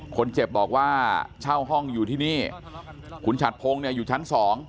คนเจ็บบอกว่าเช่าห้องอยู่ที่นี่คุณฉัดพงศ์เนี่ยอยู่ชั้น๒